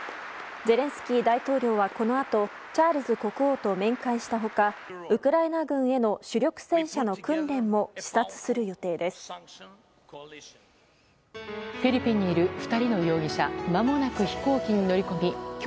ゼレンスキー大統領はこのあとチャールズ国王と面会した他ウクライナ軍への主力戦車のこんにちはあたけたけのこ２つ！